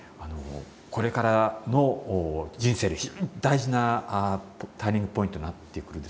これからの人生で非常に大事なターニングポイントになってくるですね